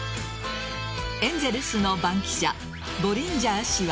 エンゼルスの番記者ボリンジャー氏は。